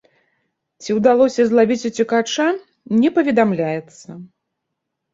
Ці ўдалося злавіць уцекача, не паведамляецца.